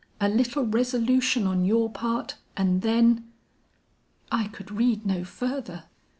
A little resolution on your part, and then ' "I could read no further.